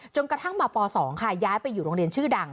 กระทั่งมาป๒ค่ะย้ายไปอยู่โรงเรียนชื่อดัง